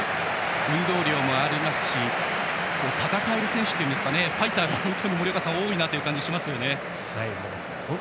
運動量もありますし戦える選手というかファイターが本当に多いなという感じがしますね、森岡さん。